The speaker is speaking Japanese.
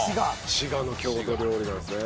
滋賀の郷土料理なんですね。